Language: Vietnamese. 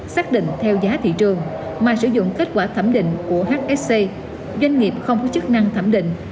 xác định theo giá thị trường mà sử dụng kết quả thẩm định của hsc doanh nghiệp không có chức năng thẩm định